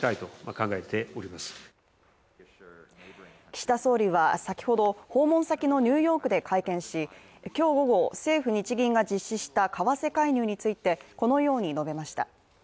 岸田総理は先ほど、訪問先のニューヨークで会見し今日午後、政府日銀が実施した為替介入について、このように述べました。